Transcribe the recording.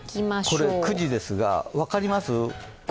これ９時ですが分かります？